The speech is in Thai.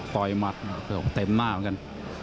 หมัดเต็มหน้าเหมือนกัน